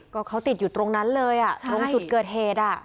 ก็เขาติดอยู่ตรงนั้นเลยอ่ะตรงจุดเกิดเหตุ